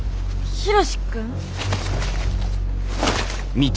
ヒロシ君？